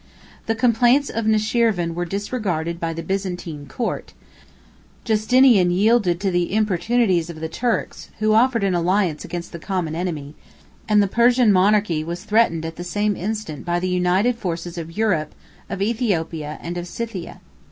The complaints of Nushirvan were disregarded by the Byzantine court; Justin yielded to the importunities of the Turks, who offered an alliance against the common enemy; and the Persian monarchy was threatened at the same instant by the united forces of Europe, of Aethiopia, and of Scythia.